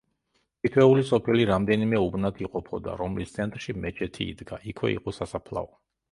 თითოეული სოფელი რამდენიმე უბნად იყოფოდა, რომლის ცენტრში მეჩეთი იდგა; იქვე იყო სასაფლაო.